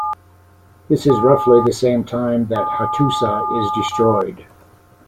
This is roughly the same time that Hattusa is destroyed.